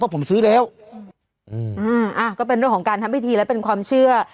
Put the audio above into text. ผมซื้อแล้วก็อืมอ่าก็เป็นเรื่องของการทำพิธีและเป็นความเชื่อ